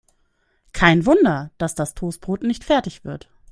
Kein Wunder, dass das Toastbrot nicht fertig wird.